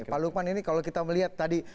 pak lukman ini kalau kita melihat tadi